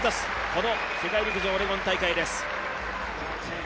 この世界陸上オレゴン大会です。